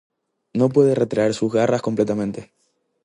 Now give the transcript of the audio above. No puede retraer sus garras completamente.